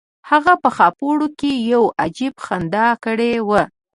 هغه په خاپوړو کې یو عجیب خندا کړې وه